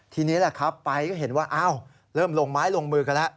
ทีนี้แป๊ปก็เห็นว่าเริ่มลงไม้ลงมือกันแล้ว